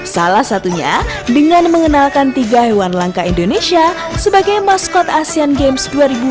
salah satunya dengan mengenalkan tiga hewan langka indonesia sebagai maskot asean games dua ribu delapan belas